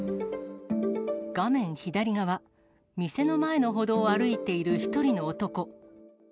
画面左側、店の前の歩道を歩いている１人の男。